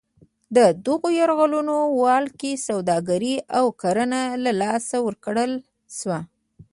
د دغو یرغلګرو ولکې سوداګري او کرنه له لاسه ورکړل شوه.